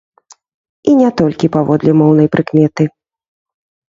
І не толькі паводле моўнай прыкметы.